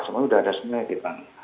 semuanya sudah ada sungai kita